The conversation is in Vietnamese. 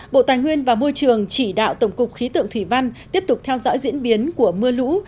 bộ tài nguyên và môi trường chỉ đạo tổng cục khí tượng thủy văn tiếp tục theo dõi diễn biến của mưa lũ